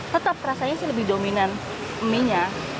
tetap rasanya sih lebih dominan mie nya